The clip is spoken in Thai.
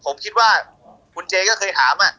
ผมคิดว่าคุณเจก็เคยถาม